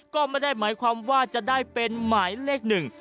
ก็ไม่ได้หมายความว่าจะได้เป็นหมายเลขหนึ่ง